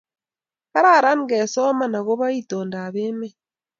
Kararan ke soman ako ba itondab emet